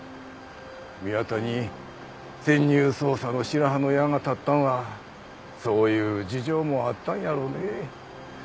宮田に潜入捜査の白羽の矢が立ったんはそういう事情もあったんやろね。